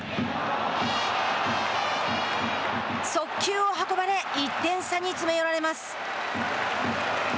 速球を運ばれ１点差に詰め寄られます。